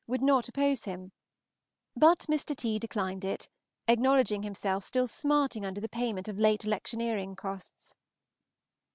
would not oppose him; but Mr. T. declined it, acknowledging himself still smarting under the payment of late electioneering costs.